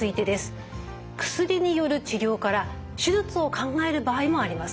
薬による治療から手術を考える場合もあります。